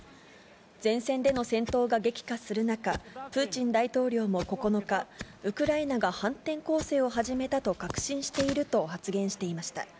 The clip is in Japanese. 前線での戦闘が激化する中、プーチン大統領も９日、ウクライナが反転攻勢を始めたと確信していると、発言していました。